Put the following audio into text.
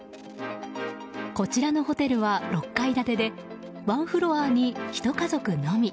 こちらのホテルは６階建てでワンフロアに、ひと家族のみ。